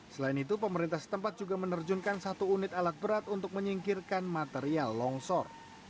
selain itu pemerintah setempat juga menerjunkan satu unit alat berat untuk menyingkirkan material longsor